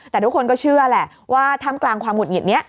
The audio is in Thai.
แต่ทุกคนก็เชื่อแหละว่าท่ามกลางความหุดหงิดนี้